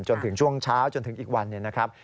จนถึงช่วงเช้าจนถึงอีกวันหนึ่งนะครับ